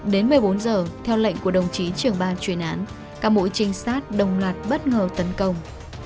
đến một mươi bốn giờ theo lệnh của đồng chí trưởng ban chuyên án các mũi trinh sát đồng loạt bất ngờ tấn công